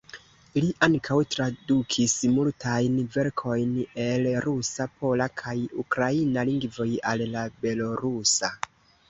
Li ankaŭ tradukis multajn verkojn el rusa, pola kaj ukraina lingvoj al la belorusa.